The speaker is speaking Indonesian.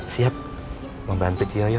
siap membantu ciyoyo